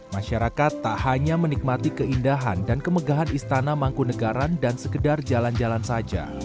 masyarakat tak hanya menikmati keindahan dan kemegahan istana mangkunagaran dan sekedar jalan jalan saja